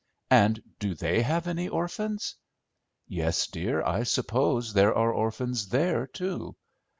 "And do they have any orphans?" "Yes, dear, I suppose there are orphans there too."